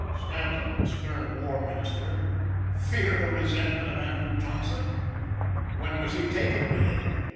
Stanton, the stern War Minister, fear the resentment of Andrew Johnson! When was he taken with it?